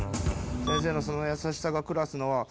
先生のその優しさがクラスの輪」。